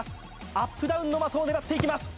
アップダウンの的を狙っていきます